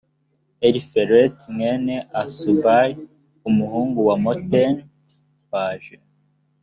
elifeleti mwene ahasubayi umuhungu wa mutoni baje